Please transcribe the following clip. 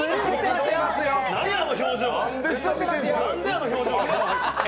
何であの表情？